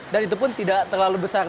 dan itu pun tidak terlalu besar